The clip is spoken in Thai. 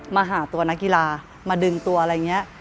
มาหาตัวนักกีฬามาดึงตัวอะไรอย่างนี้